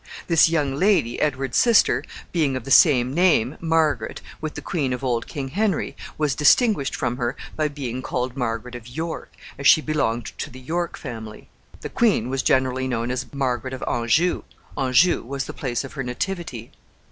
This young lady, Edward's sister, being of the same name Margaret with the queen of old King Henry, was distinguished from her by being called Margaret of York, as she belonged to the York family. The queen was generally known as Margaret of Anjou. Anjou was the place of her nativity.